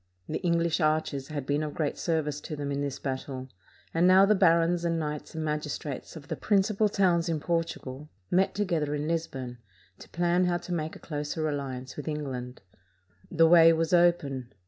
The English archers had been of great service to them in this battle, and now the barons and knights and magis trates of the principal towns in Portugal met together in Lisbon to plan how to make a closer alliance with England. The way was open.